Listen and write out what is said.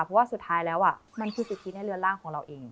เพราะว่าสุดท้ายแล้วมันคือสิทธิในเรือนร่างของเราเอง